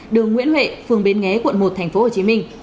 đường nguyễn huệ phường bến nghé quận một tp hcm